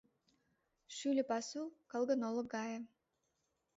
Шӱльӧ пасу — кылгын олык гае.